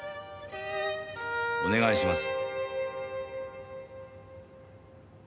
お願いします。